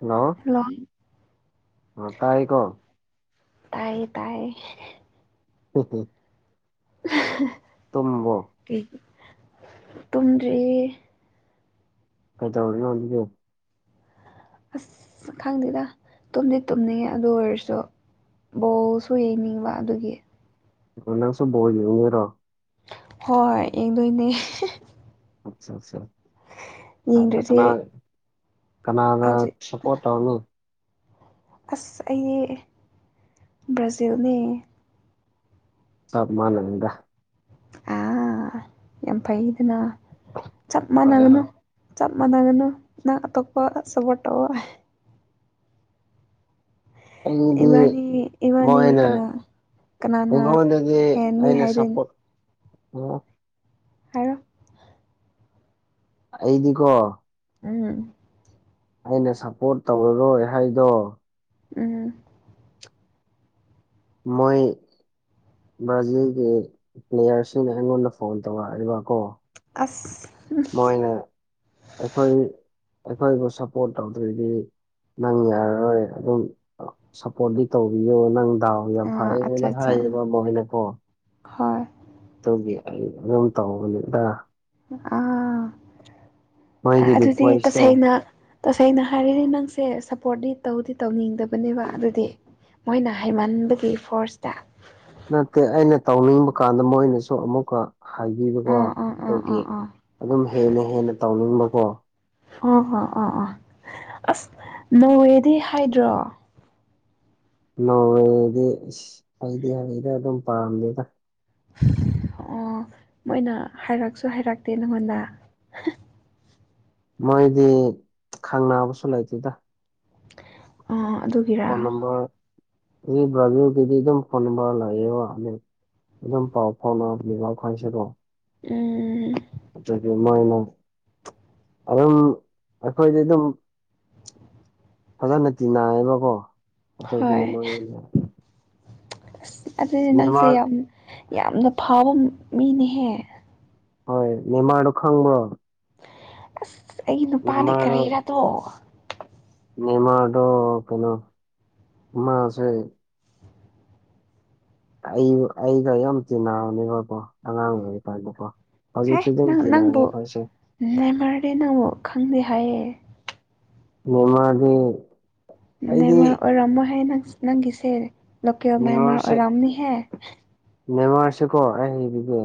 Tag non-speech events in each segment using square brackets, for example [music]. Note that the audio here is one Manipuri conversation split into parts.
ꯍꯦꯜꯂꯣ ꯍꯦꯜꯂꯣ [unintelligible] ꯇꯥꯏꯌꯦ ꯇꯥꯏꯌꯦ [unintelligible] [unintelligible] ꯇꯨꯝꯃꯕꯣ ꯇꯨꯝꯗ꯭ꯔꯤ ꯀꯗꯧꯔꯤꯅꯣ ꯑꯁ ꯈꯪꯗꯦꯗ ꯇꯨꯝꯗꯤ ꯇꯨꯝꯅꯤꯡꯉꯦ ꯑꯗꯨ ꯑꯣꯏꯔꯁꯨ ꯕꯣꯜꯁꯨ ꯌꯦꯡꯅꯤꯡꯕ ꯑꯗꯨꯒꯤ ꯀ ꯁꯣꯔꯣ [unintelligible] ꯍꯣꯏꯣꯏ ꯌꯦꯡꯗꯣꯏꯅꯦ ꯑꯆꯥ ꯑꯆꯥ ꯍꯥꯏ ꯌꯦꯡꯗ꯭ꯔꯗꯤ ꯊꯅꯥ ꯀꯅꯥꯒ ꯍꯧꯖꯤꯛ ꯁꯄꯣꯔꯠꯎꯣ ꯑꯁ ꯑꯩ ꯕ꯭ꯔꯥꯖꯤꯜꯅꯦ ꯁꯥꯞ ꯃꯥꯅꯅꯗ ꯑꯥ ꯌꯥꯝ ꯐꯩꯗꯅ ꯆꯞ ꯍꯣꯏ ꯍꯣꯏ ꯃꯥꯟꯅꯒꯅꯨ ꯆꯞ ꯃꯥꯟꯅꯒꯅꯨ ꯅꯪ ꯑꯇꯣꯞꯄ ꯁꯞꯄꯣꯔꯠ ꯇꯧꯑꯣ ꯑꯗꯨꯗꯤ ꯏꯕꯥꯅꯤ ꯏꯕꯥꯅꯤ ꯃꯣꯏꯅ ꯀꯅꯥ ꯀꯅꯥꯅ ꯎꯉꯗꯗꯤ ꯍꯦꯟꯅꯤ ꯑꯩꯅ ꯍꯥꯏꯗꯣꯏꯅꯤ ꯁꯄꯣ [unintelligible] ꯑꯩꯗꯤꯀꯣ ꯎꯝ ꯑꯩꯅ ꯁꯞꯄꯣꯔꯠ ꯇꯧꯔꯔꯣꯏ ꯍꯥꯏꯗꯣ ꯎꯝ ꯃꯣꯏ ꯕ꯭ꯔꯥꯖꯤꯜꯒꯤ ꯄ꯭ꯂꯦꯌꯔꯁꯤꯅ ꯑꯩꯉꯣꯟꯗ ꯐꯣꯟ ꯇꯧꯔꯛꯏꯕꯀꯣ ꯑꯁ ꯃꯣꯏꯅ ꯑꯩꯈꯣꯏ ꯑꯩꯈꯣꯏꯕꯨ ꯁꯞꯄꯣꯔꯠ ꯇꯧꯗꯣꯏꯗꯤ ꯅꯪ ꯌꯥꯔꯔꯣꯏ ꯑꯗꯨꯝ ꯁꯞꯄꯣꯔꯠꯗꯤ ꯇꯧꯕꯤꯌꯣ ꯅꯪ ꯗꯥꯎ ꯌꯥꯝ ꯑꯥ ꯑꯠꯆꯥ ꯐꯩꯌꯦꯅ ꯑꯠꯆꯥ ꯍꯥꯏꯌꯦꯕ ꯑꯃꯣꯏꯅꯀꯣ ꯍꯣꯏ ꯑꯗꯨꯗꯤ ꯑꯩ ꯑꯗꯨꯝ ꯇꯧꯕꯅꯤ ꯑꯥ ꯃꯣꯏꯒꯤ ꯑꯗꯨꯗꯤ ꯔꯤꯀ꯭ꯋꯦꯁꯇꯣ ꯇꯁꯦꯡꯅ ꯇꯁꯦꯡꯅ ꯍꯥꯏꯔꯤꯗꯤ ꯅꯪꯁꯦ ꯁꯞꯄꯣꯔꯠꯤ ꯇꯧꯗꯤ ꯇꯧꯅꯤꯡꯗꯕꯅꯦꯕ ꯑꯗꯨꯗꯤ ꯃꯣꯏꯅ ꯍꯩꯃꯟꯕꯒꯤ ꯐꯣꯔꯁꯇ ꯅꯠꯇꯦ ꯑꯩꯅ ꯇꯧꯅꯤꯡꯕ ꯀꯥꯟꯗ ꯃꯣꯏꯅꯁꯨ ꯑꯃꯨꯛꯀ ꯍꯥꯏꯕꯤꯕꯀꯣ ꯑꯥ ꯑꯥ ꯑꯥ ꯑꯗꯨꯒꯤ ꯑꯥ ꯑꯥ ꯑꯗꯨꯝ ꯍꯦꯟꯅ ꯍꯦꯟꯅ ꯇꯧꯅꯤꯡꯕꯀꯣ ꯑ ꯍꯥ ꯑꯥ ꯑꯥ ꯑꯁ ꯅꯧꯋꯦꯗꯤ ꯍꯥꯏꯗ꯭ꯔꯣ ꯅꯣꯗꯤ ꯑꯩꯗꯤ ꯍꯩꯗ ꯑꯗꯨꯝ ꯄꯥꯝꯃꯦꯗ ꯑꯣ ꯃꯣꯏꯅ ꯍꯥꯏꯔꯛꯁꯨ ꯍꯥꯏꯔꯛꯇꯦ ꯅꯪꯉꯣꯟꯗ ꯃꯣꯏꯗꯤ ꯈꯪꯅꯕꯁꯨ ꯂꯩꯇꯦꯗ ꯑ ꯑꯗꯨ ꯐꯣꯟ ꯅꯝꯕꯔ ꯏ ꯕꯤ ꯀꯤꯗꯤꯤꯗ ꯐꯣꯟ ꯅꯝꯕꯔ ꯂꯩꯥꯛꯅꯤ ꯑꯗꯨꯝ ꯄꯥꯎ ꯐꯥꯎꯅꯕ ꯉꯈꯥꯟꯁꯤꯗꯣ ꯎꯝ ꯑꯗꯨꯗꯒꯤ ꯃꯣꯏꯅ ꯑꯗꯨꯝ ꯑꯩꯈꯣꯏꯗꯤ ꯑꯗꯨꯝ ꯐꯖꯅ ꯇꯤꯟꯅꯌꯦꯕꯀꯣ ꯑꯇ ꯍꯣꯏ ꯑꯁ ꯑꯗꯨꯗꯤ ꯅꯪꯁꯦ ꯅꯦꯃꯥꯔ ꯌꯥꯝ ꯌꯥꯝꯅ ꯐꯕ ꯃꯤꯅꯦꯍꯦ ꯍꯣꯏ ꯅꯦꯃꯥꯗꯨ ꯈꯥꯡꯕ꯭ꯔꯣ? ꯑꯁ ꯑꯩꯒꯤ ꯅꯨꯄꯥꯅꯦ ꯀꯔꯤꯔꯗꯣ ꯃꯅꯤꯃꯥꯔꯗ ꯀꯩꯅꯣ ꯃꯥꯁꯦ ꯑꯩ ꯑꯩꯒ ꯌꯥꯝ ꯆꯤꯟꯅꯔꯅꯦꯕꯀꯣ ꯑꯉꯥꯡꯗꯨ ꯑꯣꯏꯔꯤꯀꯟꯗꯀꯣ ꯍꯧꯖꯤꯛꯁꯨꯁꯦ ꯇꯤꯅꯔꯤ ꯍꯥꯎꯖꯤꯀꯁꯨ ꯫ ꯅꯥꯏꯃꯔꯗꯤ ꯅꯪꯕꯨ ꯈꯪꯗꯦ ꯍꯥꯏꯌꯦ꯫ ꯅꯦꯃꯔ ꯗꯤ ꯅꯦꯃꯔ ꯑꯣꯏꯔ꯭ꯃꯣꯏꯍꯦ ꯅꯪꯒꯤꯁꯦ ꯂꯀꯦꯜ ꯅꯦꯃꯔ ꯔꯝꯅꯤꯍꯦ ꯅꯦꯃꯔꯁꯤꯀꯣ ꯑꯩ ꯍꯏꯕꯤꯒꯦ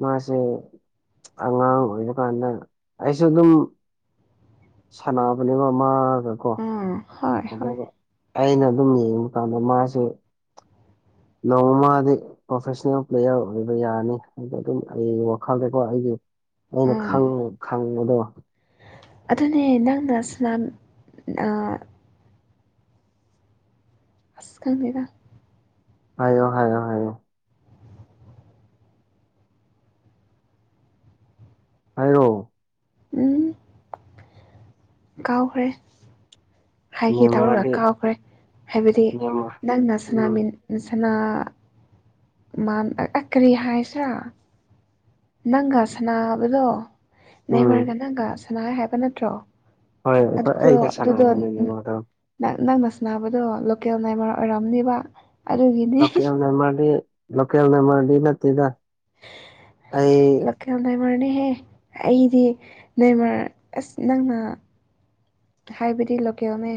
ꯃꯥꯁꯦ ꯑꯉꯥꯡ ꯑꯣꯏꯔ ꯀꯥꯟꯗ ꯑꯩꯁꯨ ꯑꯗꯨꯝ ꯁꯥꯟꯅꯕꯅꯦꯕꯃꯒ ꯀꯣ ꯑꯥ ꯍꯣꯏ ꯍꯣꯏ ꯑꯗꯨꯒ ꯑꯩꯅ ꯑꯗꯨꯝ ꯌꯦꯡꯕ ꯀꯥꯟꯗ ꯃꯥꯁꯦ ꯅꯣꯡꯃꯗꯤ ꯄ꯭ꯔꯣꯐꯦꯁꯅꯦꯜ ꯄ꯭ꯂꯦꯌꯔ ꯑꯣꯏꯕ ꯌꯥꯔꯅꯤ ꯍꯥꯏꯗ ꯑꯗꯨꯝ ꯑꯩ ꯋꯥꯈꯜꯗꯀꯣ ꯑꯩꯒꯤ ꯑꯩꯅ ꯑꯥ ꯈ ꯈꯪꯕꯗꯣ ꯑꯗꯨꯅꯦ ꯅꯪꯅ ꯁꯂꯝ ꯑꯥ ꯑꯁ ꯈꯪ ꯗꯦꯍꯦ ꯍꯥꯏꯌꯣ ꯍꯥꯏꯌꯣ ꯍꯥꯏꯌꯣ ꯍꯥꯏꯔꯣ ꯎꯝ ꯀꯥꯎꯈ꯭ꯔꯦ ꯍꯥꯏꯒꯦ ꯇꯧꯔꯒ ꯅꯦꯃꯥꯔꯗꯤ ꯀꯥꯎꯈ꯭ꯔꯦ ꯍꯥꯏꯕꯗꯤ ꯅꯦꯃꯥꯔ ꯅꯪꯅ ꯎꯝ ꯁꯅꯥꯃꯤꯟ ꯁꯥꯅꯥ ꯃꯥ ꯑ ꯀꯔꯤ ꯍꯥꯏꯁꯤꯔꯥ ꯅꯪꯒ ꯁꯅꯥꯅꯕꯗꯣ ꯎꯝ ꯅꯃꯔꯒ ꯅꯪꯒ ꯁꯅꯥ ꯍꯥꯏꯕ ꯅꯠꯇ꯭ꯔꯣ? ꯍꯣꯏ ꯑꯩꯈꯣꯏ ꯑꯗꯨꯗ ꯑꯩꯒ ꯑꯗꯨꯗ ꯁꯥꯟꯅꯕꯅꯦ ꯅꯦꯃꯥꯔꯗꯣ ꯅꯪ ꯅꯪꯅ ꯁꯥꯟꯅꯕꯗꯣ ꯂꯣꯀꯦꯜ ꯅꯦꯃꯔ ꯑꯣꯏꯔꯑꯝꯅꯦꯕ ꯂꯣꯀꯦꯜꯅ ꯅꯦꯝꯔꯗꯤ ꯂꯣꯀꯦꯜꯅ ꯗꯤ ꯅꯠꯇꯗ ꯑꯁ ꯂꯣꯀꯦꯜ ꯅꯦꯃꯔ ꯅꯤꯍꯦ ꯑꯩꯗꯤ ꯅꯦꯃꯔ ꯑꯁ ꯅꯪꯅ ꯍꯥꯏꯕꯗꯤ ꯂꯣꯀꯦꯜꯅꯦ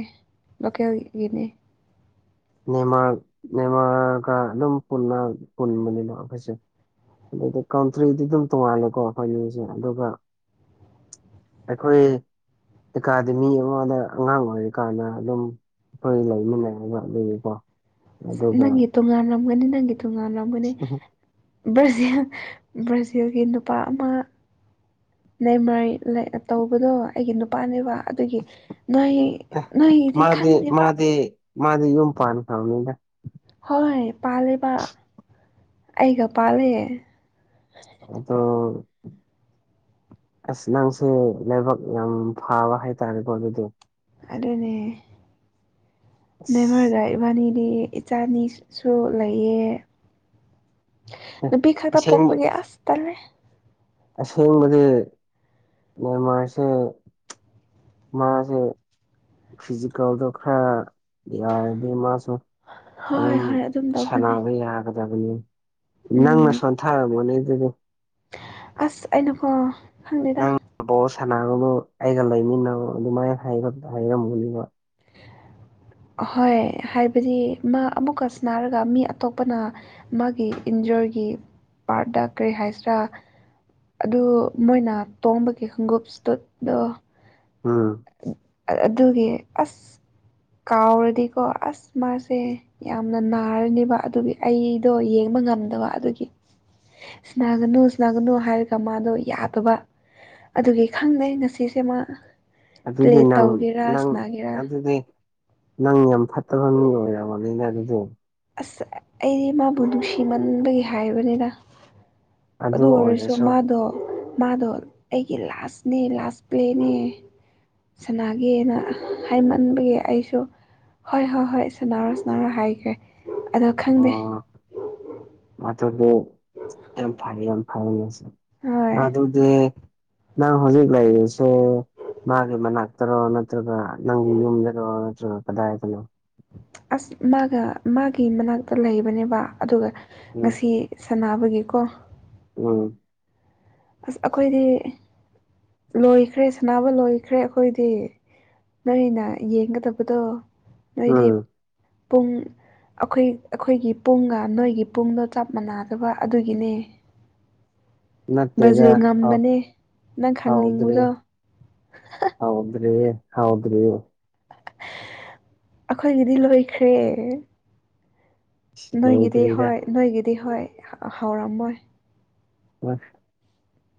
ꯂꯣꯀꯦꯜꯒꯤꯅꯦ꯫ ꯅꯃꯥꯔ ꯅꯦꯃꯥꯔꯒ ꯑꯗꯨꯝ ꯄꯨꯟꯕꯅꯤꯅ ꯑꯩꯈꯣꯏꯁꯦ꯫ ꯑꯗꯨꯩꯗꯤ ꯀꯥꯟꯇ꯭ꯔꯤꯗꯤ ꯑꯗꯨꯝ ꯇꯣꯡꯉꯥꯜꯂꯦꯀꯣ ꯑꯩꯈꯣꯏꯅꯁꯦ ꯑꯗꯨꯒ ꯑꯩꯈꯣꯏ ꯑꯦꯀꯥꯗꯃꯤ ꯑꯃꯗ ꯑꯉꯥꯡ ꯑꯣꯏꯔꯤꯀꯥꯟꯗ ꯑꯗꯨꯝ ꯑꯩꯈꯣꯏ ꯂꯩꯃꯤꯟꯅꯩꯌꯦꯕꯥ ꯑꯗꯨꯕꯨꯀꯣ ꯅꯪꯒꯤ ꯇꯣꯉꯥꯜꯂꯝꯒꯅꯤ ꯅꯪꯒꯤ ꯇꯣꯉꯜꯂꯝꯒꯅꯤ꯫ ꯕ꯭ꯔꯥꯖꯤꯜ ꯕ꯭ꯔꯥꯖꯤꯜꯒꯤ ꯅꯨꯄꯥ ꯑꯃ ꯅꯦꯃꯔ ꯇꯧꯕꯗꯣ ꯑꯩꯒꯤ ꯅꯨꯄꯥꯅꯦꯕ ꯑꯗꯨꯒꯤ ꯅꯣꯏ ꯑ ꯅꯣꯏꯒꯤꯗꯤ ꯃꯥꯗꯤ ꯈꯪꯗꯦꯕ ꯃꯥꯗꯤ ꯃꯥꯗꯤ ꯌꯨꯝ ꯄꯥꯟ ꯈꯔ꯭ꯕꯅꯤꯗ ꯍꯣꯏ ꯄꯥꯜꯜꯂꯤꯦꯕ ꯑꯩꯒ ꯄꯥꯜꯂꯤ꯫ ꯑꯗꯣ ꯑꯁ ꯅꯪꯁꯦ ꯂꯥꯏꯕꯛ ꯌꯥꯝ ꯐꯕ ꯍꯥꯏꯇꯥꯔꯦꯀꯣ ꯑꯗꯨꯗꯤ ꯑꯗꯨꯅꯦ ꯑꯁ ꯅꯦꯝꯃꯔꯗ ꯏꯕꯥꯅꯤꯗꯤ ꯏꯆꯥꯅꯤꯁꯨ ꯂꯩꯌꯦ ꯑꯦ ꯅꯨꯄꯤ ꯈꯛꯇ ꯑꯁꯦꯡꯕ ꯄꯣꯛꯄꯒꯤ ꯑꯁ ꯇꯂꯦ꯫ ꯑꯁꯦꯡꯕꯗꯤ ꯃꯦꯟꯃꯥꯔꯁꯦ ꯃꯥꯁꯦ ꯐꯤꯖꯤꯀꯦꯜꯗꯣ ꯈꯔ ꯌꯥꯔꯗꯤ ꯃꯥꯁꯨ ꯍꯣꯏ ꯑꯗꯨꯝ ꯍꯣꯏ ꯇꯧꯕꯅꯦ ꯁꯥꯟꯅꯕ ꯌꯥꯒꯗꯕꯅꯤ ꯅꯪꯅ ꯎꯝ ꯁꯣꯟꯊꯔꯝꯃꯣꯅꯦ ꯑꯗꯨꯗꯤ ꯑꯁ ꯑꯩꯅ ꯀꯣ ꯈꯪꯗꯦꯗ ꯅꯪ ꯕꯣꯜ ꯁꯅꯥꯕꯗꯨ ꯑꯩꯒ ꯂꯩꯃꯤꯟꯅꯔ ꯑꯗꯨꯃꯥꯏꯅ ꯍꯥꯏꯔꯝꯃꯅꯦꯕ [unintelligible] ꯑꯍꯣꯏ ꯍꯥꯏꯕꯗꯤ ꯃꯥ ꯑꯃꯨꯛꯀꯁꯨ ꯅꯥꯔꯒ ꯃꯤ ꯑꯇꯣꯞꯄꯅ ꯃꯥꯒꯤ ꯏꯟꯖꯔꯒꯤ ꯄꯥꯔꯗ ꯀꯔꯤ ꯍꯥꯏꯁꯤꯔꯥ ꯑꯗꯨ ꯃꯣꯏꯅ ꯇꯣꯡꯝꯕꯒꯤ ꯈꯣꯡꯎꯞ ꯏꯁꯇꯨꯗꯣ ꯑꯝ ꯑꯗꯨꯒꯤ ꯑꯁ ꯀꯥꯎꯔꯗꯤꯀꯣ ꯑꯁ ꯃꯥꯁꯦ ꯌꯥꯝꯅ ꯅꯥꯔꯅꯦꯕ ꯑꯗꯨꯒꯤ ꯑꯩꯗꯣ ꯌꯦꯡꯕ ꯉꯝꯗꯕ ꯑꯗꯨꯒꯤ ꯁꯅꯥꯒꯅꯨ ꯁꯅꯥꯒꯅꯨ ꯍꯥꯏꯔꯒ ꯃꯥꯗꯣ ꯌꯥꯗꯕ ꯑꯗꯨꯒꯤ ꯈꯪꯅꯩ ꯉꯁꯤꯁꯦꯃ ꯑꯗꯨꯗꯤ ꯅꯪ ꯅꯪ ꯁꯅꯥꯒꯦꯔꯥ ꯑꯗꯨꯗꯤ ꯅꯪ ꯌꯥꯝ ꯐꯠꯇꯕ ꯃꯤ ꯑꯣꯏꯔꯕꯅꯤꯅ ꯑꯗꯨꯗꯣ ꯑꯁ ꯑꯩꯗꯤ ꯃꯥꯕꯨ ꯅꯨꯡꯁꯤꯃꯟꯕꯒꯤ ꯍꯥꯏꯕꯅꯤꯅ ꯑꯗꯨ ꯑꯣꯏꯔꯁꯨ ꯃꯥꯗꯣ ꯃꯥꯗꯣ ꯑꯩꯒꯤ ꯂꯥꯁꯅꯦ ꯂꯥꯁ ꯄ꯭ꯂꯦꯅꯦ ꯁꯅꯥꯒꯅ ꯍꯥꯏꯃꯟꯕꯒꯤ ꯑꯩꯁꯨ ꯍꯣꯏ ꯍꯣꯏ ꯍꯣꯏ ꯁꯥꯟꯅꯔꯣ ꯁꯥꯟꯅꯔꯣ ꯍꯥꯏꯈ꯭ꯔꯦ ꯑꯗꯣ ꯈꯪꯗꯦ [unintelligible] ꯍꯣꯏ ꯃꯥ ꯑꯗꯨꯗ ꯅꯪ ꯍꯧꯖꯤꯛ ꯂꯥꯛꯦꯁꯦ ꯃꯥꯒꯤ ꯃꯅꯥꯛ ꯇꯔꯣ ꯅꯠꯇ꯭ꯔꯒ ꯅꯪ ꯌꯨꯝꯗꯔꯣ ꯅꯠꯇ꯭ꯔꯒ ꯀꯗꯥꯏꯗꯅꯣ ꯑꯁ ꯃꯥꯒ ꯃꯥꯒꯤ ꯃꯅꯥꯛꯇ ꯂꯩꯕꯅꯦꯕ ꯑꯗꯨꯒ ꯎꯝ ꯉꯁꯤ ꯁꯥꯟꯅꯕꯒꯤꯀꯣ ꯎꯝ ꯑꯁ ꯑꯩꯈꯣꯏꯗꯤ ꯂꯣꯏꯈ꯭ꯔꯦ ꯁꯅꯕ ꯂꯣꯏꯈ꯭ꯔꯦ ꯑꯩꯈꯣꯏꯗꯤ ꯅꯣꯏꯅ ꯌꯦꯡꯒꯗꯕꯗꯣ ꯅꯣꯏꯗꯤ ꯎꯝ ꯄꯨꯡ ꯑꯩꯈꯣꯏ ꯑꯩꯈꯣꯏꯒꯤ ꯄꯨꯡꯒ ꯅꯣꯏꯒꯤ ꯄꯨꯡꯗꯣ ꯆꯞ ꯃꯥꯟꯅꯗꯕ ꯑꯗꯨꯒꯤꯅꯦ ꯅꯠꯇꯦꯗ ꯕ꯭ꯔꯥꯖꯤꯜ ꯑ ꯉꯝꯕꯅꯦ ꯅꯪ ꯍꯥꯎꯗ꯭ꯔꯤ ꯈꯪꯅꯤꯡꯕꯗꯣ ꯍꯥꯎꯗ꯭ꯔꯤ ꯍꯥꯎꯗ꯭ꯔꯤ ꯑꯩꯈꯣꯏꯒꯤꯗꯤ ꯂꯣꯏꯈ꯭ꯔꯦ ꯅꯣꯏꯒꯤꯗꯤ ꯂꯣꯏꯗ꯭ꯔꯤꯗ ꯍꯣꯏ ꯅꯣꯏꯒꯤꯗꯤ ꯍꯣꯏ ꯍꯧꯥꯎꯔꯝꯃꯣꯏ ꯍꯣꯏ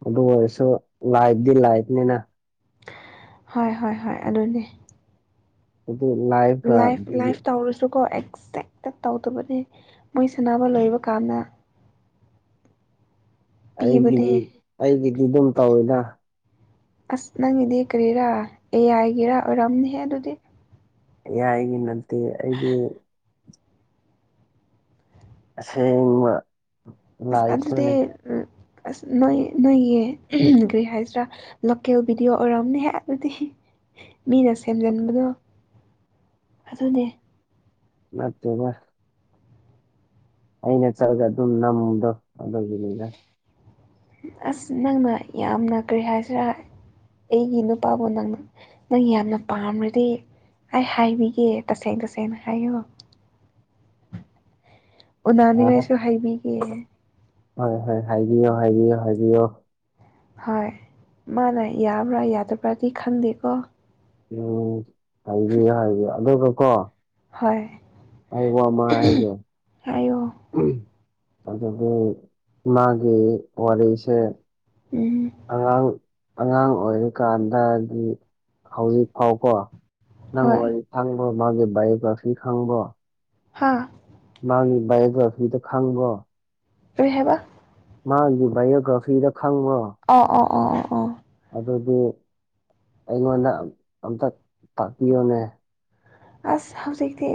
ꯑꯗꯨ ꯑꯣꯏꯔꯁꯨ ꯂꯥꯏꯕꯗꯤ ꯂꯥꯏꯕꯅꯤꯅ ꯍꯣꯏ ꯍꯣꯏ ꯍꯣꯏ ꯑꯗꯨꯅꯦ ꯑꯗꯨ ꯂꯥꯏꯐ ꯂꯥꯏꯐ ꯂꯥꯏꯐ ꯇꯧꯔꯁꯨꯀꯣ ꯑꯦꯛꯁꯇꯦꯟ ꯍꯦꯛꯇ ꯇꯧꯗꯕꯅꯤ ꯃꯣꯏ ꯁꯥꯟꯅꯕ ꯂꯣꯏꯕ ꯀꯥꯟꯗ ꯄꯤꯕꯅꯦ ꯑꯩꯒꯤꯗꯤ ꯑꯩꯒꯤꯗꯤ ꯑꯗꯨꯝ ꯇꯧꯋꯤꯅ ꯑꯁ ꯅꯪꯒꯤꯗꯤ ꯀꯔꯤꯔꯥ ꯑꯦꯌꯥꯥꯏꯒꯤꯦꯔꯥ ꯑꯣꯏꯔꯝꯅꯤꯍ ꯑꯗꯨꯗꯤ ꯌꯥꯒꯤ ꯅꯠꯇꯦ ꯑꯩꯗꯤ ꯑꯁꯦꯡꯕ ꯑꯁ ꯑꯗꯨꯗꯤ ꯂꯥꯏꯐꯇꯨꯅꯤ ꯑꯁ ꯅꯣꯏ ꯅꯣꯏꯒꯤ ꯀꯔꯤ ꯍꯥꯏꯁꯤꯔꯥ ꯂꯣꯀꯦꯜ ꯚꯤꯗꯤꯑꯣ ꯑꯣꯏꯔꯝꯑꯝꯅꯦꯍꯦꯛ ꯑꯗꯨꯗꯤ ꯃꯤꯅ ꯁꯦꯝꯖꯤꯟꯕꯗꯣ ꯑꯗꯨꯅꯦ ꯅꯠꯇꯦꯗ ꯑꯩꯅ ꯆꯠꯂꯒ ꯑꯗꯨꯝ ꯅꯝꯃꯨꯗꯣ ꯑꯗꯨꯒꯤꯅꯤꯗ ꯑꯁ ꯅꯪꯅ ꯌꯥꯝꯅ ꯀꯔꯤ ꯍꯥꯏꯁꯤꯔꯥ ꯑꯩꯒꯤ ꯅꯨꯄꯥꯕꯨ ꯅꯪ ꯅꯪ ꯌꯥꯝꯅ ꯄꯥꯝꯔꯗꯤ ꯑꯩ ꯍꯥꯏꯕꯤꯒꯦ ꯇꯁꯦꯡ ꯇꯁꯦꯡꯅ ꯍꯥꯏꯌꯣ ꯑꯥ ꯎꯅꯅꯤꯡꯉꯥꯏꯁꯨ ꯍꯥꯏꯕꯤꯒꯦ ꯍꯣꯏ ꯍꯣꯏ ꯍꯥꯏꯕꯤꯌꯣ ꯍꯥꯏꯕꯤꯌꯣ ꯍꯥꯏꯕꯤꯌꯣ ꯍꯣꯏ ꯃꯥꯅ ꯌꯥꯕ꯭ꯔꯥ ꯌꯥꯗꯕ꯭ꯔꯥꯗꯤ ꯈꯟꯗꯦꯀꯣ ꯎꯝ ꯍꯥꯏꯕꯤꯌꯣ ꯍꯥꯏꯕꯤꯌꯣ ꯑꯗꯨꯒ ꯀꯣ ꯍꯣꯏ ꯑꯩ ꯋꯥ ꯑꯃ ꯍꯥꯏꯒꯦ ꯍꯥꯏꯌꯣ [unintelligible] ꯑꯗꯨꯕꯨ ꯃꯥꯒꯤ ꯋꯥꯔꯤꯁꯦ ꯎꯝ ꯑꯉꯥꯡ ꯑꯉꯥꯡ ꯑꯣꯏꯔꯤꯀꯥꯟꯗꯗꯤ ꯍꯧꯖꯤꯛ ꯐꯥꯎꯀꯣ ꯅꯪ ꯍꯣꯏ ꯋꯥꯔꯤ ꯈꯡꯕꯣ ꯃꯥꯒꯤ ꯕꯥꯏꯑꯣꯒ꯭ꯔꯥꯐꯤ ꯈꯪꯕ꯭ꯔꯣ ꯍꯥꯥ ꯃꯥꯥꯒꯤ ꯕꯥꯏꯑꯣꯒ꯭ꯔꯥꯐꯤ ꯗꯨ ꯈꯪꯕ꯭ꯔꯣ ꯀꯔꯤ ꯍꯥꯏꯕ ꯃꯥꯒꯤ ꯕꯥꯏꯑꯣꯒ꯭ꯔꯥꯐꯤꯗꯣ ꯈꯪꯕ꯭ꯔꯣ ꯑꯣ ꯑꯣ ꯑꯣ ꯑꯣ ꯑꯣ ꯑꯗꯨꯗꯄ ꯑꯩꯉꯣꯟꯗ ꯑꯝꯇ ꯇꯥꯛꯄꯤꯌꯨꯅꯦ ꯑꯁ ꯍꯧꯖꯤꯛꯇꯤ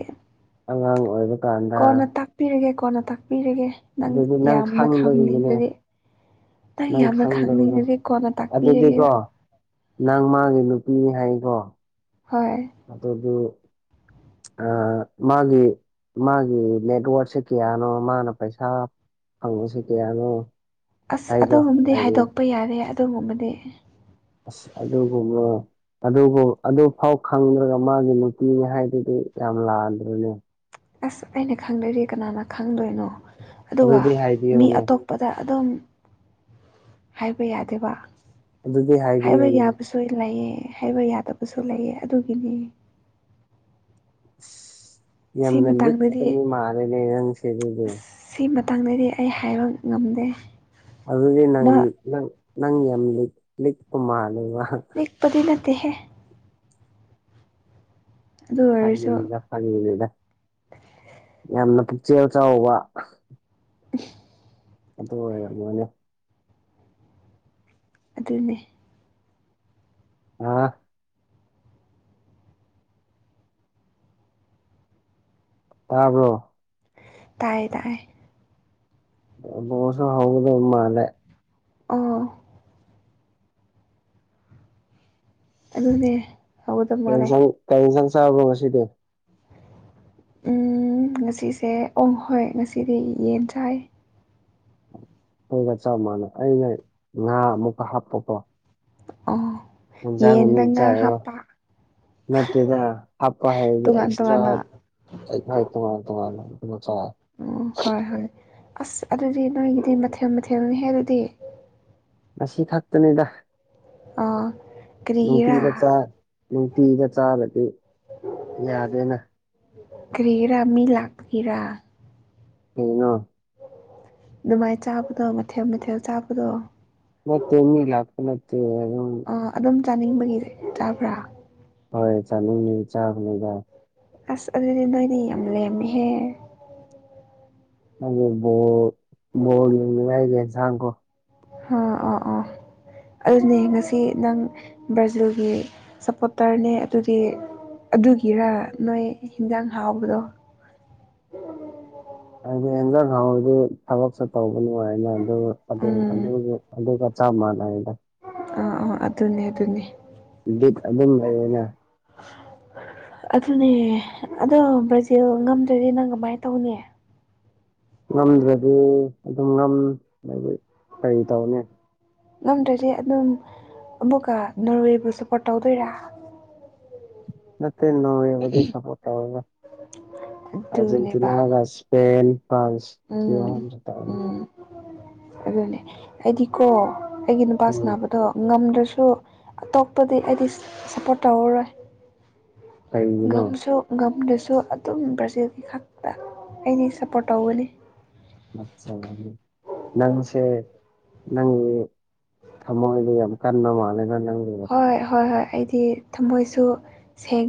ꯑꯉꯥꯡ ꯑꯣꯏꯕ ꯀꯣꯟꯅ ꯇꯥꯛꯄꯤꯔꯒꯦ ꯀꯣꯟꯅ ꯇꯥꯛꯄꯤꯔꯒꯦ ꯅꯪ ꯑꯗꯨꯗꯤ ꯌꯥꯝꯅ ꯈꯪꯗꯕꯒꯤꯅꯦ ꯈꯪꯅꯤꯡꯂꯗꯤ ꯅꯪ ꯈꯪꯗꯕꯗꯣ ꯀꯣꯟꯅ ꯇꯥꯛꯄꯤꯔꯒꯦꯕ ꯑꯗꯨꯗꯤꯀꯣ ꯅꯪ ꯃꯥꯒꯤ ꯅꯨꯄꯤꯅꯤ ꯍꯥꯏꯀꯣ ꯍꯣꯏ ꯑꯗꯨ ꯑ ꯃꯥꯒꯤ ꯃꯥꯒꯤ ꯅꯦꯠꯋꯔꯛꯁꯦ ꯀꯌꯥꯅꯣ ꯃꯥꯅ ꯄꯩꯁꯥ ꯐꯪꯕꯁꯤ ꯀꯌꯥꯅꯣ ꯑꯁ ꯍꯥꯏꯗꯣ ꯑꯗꯨꯒꯨꯝꯕꯗꯤ ꯍꯥꯏꯗꯤ ꯍꯥꯏꯗꯣꯛꯄ ꯌꯥꯗꯦ ꯑꯗꯨꯒꯨꯝꯕꯗꯤ ꯑꯁ ꯑꯗꯨꯒꯨꯝꯕ ꯑꯗꯨꯕꯨ ꯑꯗꯨꯐꯥꯎ ꯈꯪꯗ꯭ꯔꯒ ꯃꯥꯒꯤ ꯅꯨꯄꯤꯅꯤ ꯍꯥꯏꯗꯨꯗꯤ ꯌꯥꯝ ꯂꯥꯟꯗ꯭ꯔꯅꯦ ꯑꯁ ꯑꯩꯅ ꯈꯪꯗ꯭ꯔꯗꯤ ꯀꯅꯥꯅ ꯈꯪꯗꯣꯏꯅꯣ ꯑꯗꯨꯒ ꯑꯗꯨꯗꯤ ꯃꯤ ꯍꯥꯏꯕꯤꯌꯨꯅꯦ ꯑꯇꯣꯞ ꯄꯗ ꯑꯗꯨꯝ ꯍꯥꯏꯕ ꯌꯥꯗꯦꯕ ꯑꯗꯨꯗꯤ ꯍꯥꯏꯕ ꯍꯥꯏꯕꯤꯌꯨꯅꯦ ꯌꯥꯕꯁꯤ ꯂꯣꯏ ꯂꯩꯌꯦ ꯍꯥꯏꯕ ꯌꯥꯗꯕꯁꯨ ꯂꯩꯑꯦ ꯑꯗꯨꯒꯤꯅꯤ ꯁꯤ ꯌꯥꯝꯅ ꯂꯤꯛꯄ ꯃꯇꯥꯡꯗꯗꯤ ꯃꯤ ꯃꯥꯟꯂꯦ ꯅꯪꯁꯤ ꯑꯗꯨꯗꯤ ꯑꯁ ꯁꯤ ꯃꯇꯥꯡꯗꯗꯤ ꯑꯩ ꯍꯥꯏꯕ ꯉꯝꯗꯦ ꯑꯗꯨꯗꯤ ꯅꯪ ꯃꯥ ꯅꯪ ꯅꯪ ꯌꯥꯝ ꯂꯤꯛ ꯂꯤꯛꯄ ꯃꯥꯜꯂꯦꯕ ꯂꯤꯛꯄꯗꯤ ꯅꯠꯇꯦꯍꯦ ꯑꯗꯨ ꯑꯣꯏꯔꯁꯨ ꯐꯒꯤꯅꯤꯗ ꯐꯒꯤꯅꯤꯗ ꯌꯥꯝꯅ ꯄꯨꯛꯆꯦꯜ ꯆꯥꯎꯕ [unintelligible] ꯑꯗꯣ ꯑꯣꯏꯔꯝꯒꯅꯦ ꯑꯗꯨꯅꯦ ꯑ ꯇꯥꯕ꯭ꯔꯣ ꯇꯥꯏꯌꯦ ꯇꯥꯏꯌꯦ ꯕꯣꯜꯁꯨ ꯍꯧꯒꯗꯕ ꯃꯥꯜꯂꯦ ꯑꯣ ꯑꯗꯨꯅꯦ ꯍꯧꯒꯗꯕ ꯀꯔꯤ ꯃꯥꯜꯂꯦ ꯏꯟꯁꯥꯡ ꯀꯔꯤ ꯏꯟꯁꯥꯡ ꯆꯥꯕ꯭ꯔꯣ ꯉꯁꯤꯗꯤ ꯎ ꯉꯁꯤꯁꯦ ꯑꯣ ꯍꯣꯏ ꯉꯁꯤꯗꯤ ꯌꯦꯟ ꯆꯥꯏ ꯑꯩꯒ ꯆꯞ ꯃꯥꯟꯅꯩ ꯑꯩꯅ ꯉꯥ ꯑꯃꯨꯛꯀ ꯍꯥꯞꯄꯀꯣ ꯑꯣ ꯖꯅ ꯌꯦꯟꯗ ꯃꯤ ꯉꯥ ꯆꯕ ꯍꯥꯞꯄ [unintelligible] ꯅꯠꯇꯦꯗ ꯍꯥꯞꯄ ꯍꯥꯏꯗꯤ ꯇꯣꯉꯥꯟ ꯑꯦꯛꯁꯇ꯭ꯔꯥ ꯇꯣꯉꯥꯟꯅ ꯑꯩ ꯇꯣꯉꯥꯟ ꯇꯣꯉꯥꯟ ꯆꯉꯣ ꯑꯣ ꯍꯣꯏ ꯍꯣꯏ ꯑꯁ ꯑꯗꯨꯗꯤ ꯅꯣꯏꯒꯤꯗꯤ ꯃꯊꯦꯜ ꯃꯊꯦꯜꯅꯤꯍꯦ ꯑꯗꯨꯗꯤ ꯉꯁꯤ ꯈꯛꯇꯅꯤꯗ ꯑꯥ ꯀꯔꯤꯒꯤꯔꯥ ꯅꯨꯡꯇꯤꯒꯤ ꯆꯥ ꯅꯨꯡꯇꯤꯗ ꯆꯥꯕꯗꯤ ꯌꯥꯗꯦꯅ [unintelligible] ꯍꯩꯅꯣ ꯑꯗꯨꯃꯥꯏꯅ ꯆꯥꯕꯗꯣ ꯃꯊꯦꯜ ꯃꯊꯦꯜ ꯆꯥꯕꯗꯣ ꯅꯠꯇꯦ ꯃꯤ ꯂꯛꯄ ꯅꯠꯇꯦ ꯑꯗꯨꯝ ꯑꯥ ꯑꯗꯨꯝ ꯆꯥꯅꯤꯡꯕꯒꯤ ꯆꯥꯕ꯭ꯔꯥ ꯍꯣꯏ ꯆꯥꯅꯤꯡꯉ ꯆꯥꯕꯅꯤꯗ ꯑꯁ ꯑꯗꯨꯗꯤ ꯅꯣꯏꯗꯤ ꯌꯥꯝ ꯂꯩꯔꯃꯦꯍꯦ ꯅꯦ ꯣ ꯣꯜꯒ ꯁꯥꯡꯒꯣ ꯑꯥ ꯑꯥ ꯑꯥ ꯑꯗꯨꯅꯦ ꯉꯁꯤ ꯅꯪ ꯕ꯭ꯔꯥꯖꯤꯜꯒꯤ ꯁꯞꯄꯣꯔꯇꯔꯅꯦ ꯑꯗꯨꯒꯤ ꯑꯗꯨꯒꯤꯔꯥ ꯅꯣꯏ ꯌꯦꯟꯖꯥꯡ ꯍꯥꯎꯕꯗꯣ ꯍꯥꯏꯗꯤ ꯍꯟꯖꯥꯡ ꯍꯥꯎꯗꯤ ꯊꯕꯛꯁꯨ ꯇꯧꯕ ꯅꯨꯡꯉꯥꯏꯅ ꯎꯝ ꯑꯗꯨ ꯆꯃꯥꯟꯅꯗ ꯑꯥ ꯑꯥ ꯑꯗꯨꯅꯦ ꯑꯗꯨꯅꯦ ꯕꯤꯠ ꯑꯗꯨꯝ ꯂꯩꯔꯅ ꯑꯗꯨꯅꯦ ꯑꯗꯣ ꯕ꯭ꯔꯥꯖꯤꯜ ꯉꯝꯗ꯭ꯔꯗꯤ ꯅꯪ ꯀꯃꯥꯏꯅ ꯇꯧꯅꯤ ꯉꯝꯗ꯭ꯔꯗꯤ ꯑꯗꯨꯝ ꯉꯝꯕꯨ ꯀꯔꯤ ꯇꯧꯅꯤ ꯉꯝꯗ꯭ꯔꯗꯤ ꯑꯗꯨꯝ ꯑꯃꯨꯛꯀ ꯅꯣꯔꯋꯦꯕꯨ ꯁꯞꯄꯣꯔꯠ ꯇꯧꯗꯣꯏꯔꯥ ꯅꯠꯇꯦ ꯅꯣꯏꯕꯨꯗ ꯁꯄꯣꯔ ꯇꯧꯔꯣꯏꯕ ꯑꯗꯨꯅꯦꯕ ꯑꯔꯖꯦꯟꯇꯤꯅꯥꯒ ꯄꯦꯟ ꯄꯥꯁ ꯎꯝ ꯎꯝ ꯑꯗꯨꯅꯦ ꯑꯩꯗꯤꯀꯣ ꯑꯩꯒꯤ ꯎꯝ ꯅꯨꯄꯥꯁꯤꯕꯗꯣ ꯉꯝꯗ꯭ꯔꯁꯨ ꯑꯇꯣꯞꯄꯗꯤ ꯑꯩꯗꯤ ꯁꯞꯄꯣꯔꯠ ꯇꯧꯔꯔꯣꯏ ꯀꯩꯒꯤꯅꯣ ꯉꯝꯁꯨ ꯉꯝꯗꯁꯨ ꯑꯗꯨꯝ ꯕ꯭ꯔꯥꯖꯤꯜꯒꯤ ꯈꯛꯇ ꯑꯩꯗꯤ ꯁꯞꯄꯣꯔꯠ ꯇꯧꯒꯅꯤ ꯑꯠꯆꯥ ꯑꯗꯨ ꯅꯥꯡꯁꯦ ꯅꯪ ꯊꯃꯣꯏꯗ ꯌꯥꯝ ꯀꯟꯅ ꯃꯥꯜꯂꯦꯅ ꯅꯪꯕ ꯍꯣꯏ ꯍꯣꯏ ꯍꯣꯏ ꯑꯩꯗꯤ ꯊꯝꯃꯣꯏꯁꯨ ꯁꯦꯡ